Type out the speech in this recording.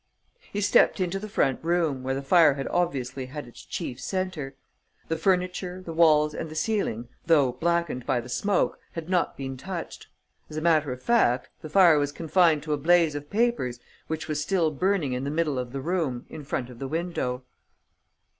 He stepped into the front room, where the fire had obviously had its chief centre. The furniture, the walls and the ceiling, though blackened by the smoke, had not been touched. As a matter of fact, the fire was confined to a blaze of papers which was still burning in the middle of the room, in front of the window.